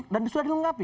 dan sudah dilengkapi